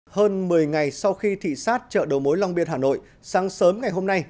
hơn một mươi ngày sau khi thị xát chợ đầu mối long biên hà nội sáng sớm ngày hôm nay